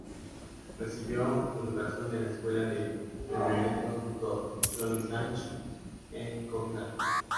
Recibió su educación en la escuela del Reverendo Dr. John Strachan en Cornualles.